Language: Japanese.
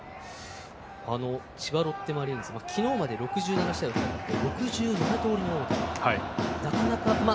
千葉ロッテマリーンズ昨日まで６７試合戦って、６７通りのオーダー。